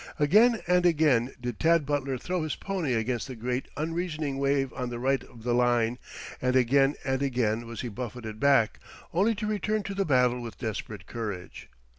Again and again did Tad Butler throw his pony against the great unreasoning wave on the right of the line, and again and again was he buffeted back, only to return to the battle with desperate courage.